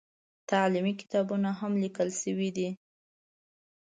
تعلیمي کتابونه هم لیکل شوي دي.